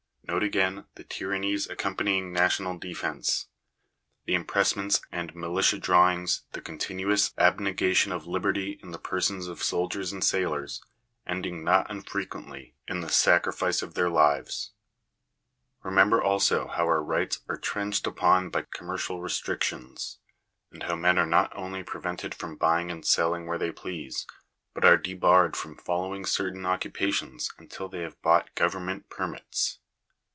Note again the tyrannies accompanying national defence — the impressments and militia drawings, the continuous abnegation of liberty in the persons of soldiers and sailors, ending not unfrequently in the sacrifice of their lives. Remember also how our rights are trenched upon by commercial restrictions ; and how men are not only prevented from buying and selling where they please, but are debarred from following certain occupations until they have bought government permits.